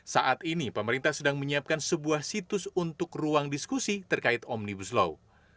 saat ini pemerintah sedang menyiapkan sebuah situs untuk ruang diskusi terkait omnibus law